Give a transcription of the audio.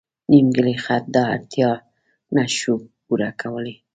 نیمګړی خط دا اړتیا نه شو پوره کولی.